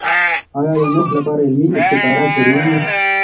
آیا د نوښت لپاره علمي ابتکارات ضروري دي؟